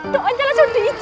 doanya langsung diinjam toh